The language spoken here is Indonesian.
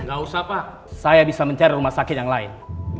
nggak usah pak saya bisa mencari rumah sakit yang lain